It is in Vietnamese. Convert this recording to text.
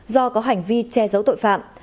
do có hành vi che giấu tội phạm